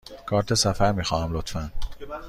کارت سفر می خواهم، لطفاً.